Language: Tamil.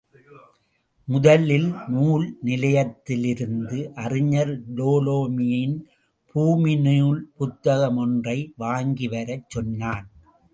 முதலில் நூல் நிலையத்திலிருந்து அறிஞர் டோலமியின் பூமிநூல் புத்தகம் ஒன்றை வாங்கிவரச் சொன்னான்.